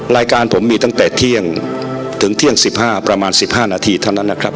รายการผมมีตั้งแต่เที่ยงถึงเที่ยง๑๕ประมาณ๑๕นาทีเท่านั้นนะครับ